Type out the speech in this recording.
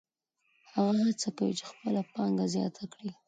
هغه هڅه کوي چې خپله پانګه زیاته کړي